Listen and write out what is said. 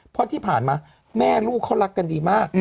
เพราะที่ผ่านมาแม่ลูกเขารักกันดีมาก